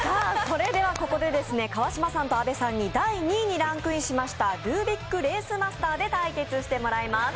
それではここで川島さんと阿部さんに第２位にランクインしましたルービックレースマスターで対決してもらいます。